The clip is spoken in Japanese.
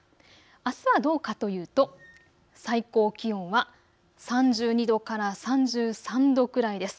あすはどうかというと最高気温は３２度から３３度くらいです。